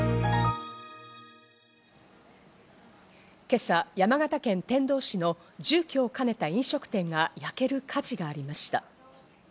今朝、山形県天童市の住居を兼ねた飲食店が焼ける火事がありました。